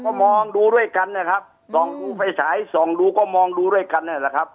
ก็มองดูด้วยกันนะครับส่องไฟฉายส่องดูก็มองดูด้วยกันนี่แหละครับ